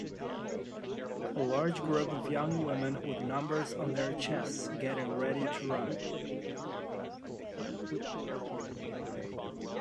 A large group of young women with numbers on their chests getting ready to run.